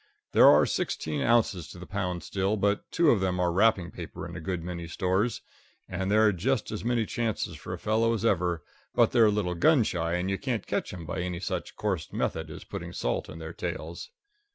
There are sixteen ounces to the pound still, but two of them are wrapping paper in a good many stores. And there're just as many chances for a fellow as ever, but they're a little gun shy, and you can't catch them by any such coarse method as putting salt on their tails.